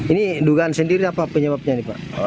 ini dugaan sendiri apa penyebabnya ini pak